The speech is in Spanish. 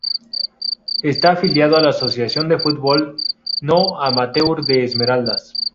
Está afiliado a la Asociación de Fútbol No Amateur de Esmeraldas.